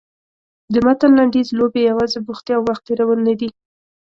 د متن لنډیز لوبې یوازې بوختیا او وخت تېرول نه دي.